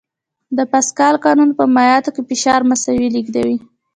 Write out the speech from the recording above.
د پاسکال قانون په مایعاتو کې فشار مساوي لېږدوي.